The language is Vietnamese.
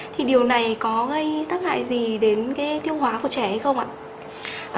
thì điều này có gây tác hại gì đến tiêu hóa của trẻ hay không ạ